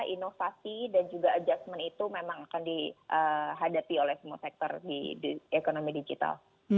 inovasi dan juga adjustment itu memang akan dihadapi oleh semua sektor di ekonomi digital